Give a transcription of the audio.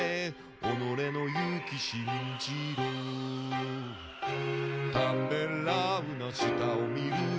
「おのれの勇気信じろ」「ためらうな下を見るな」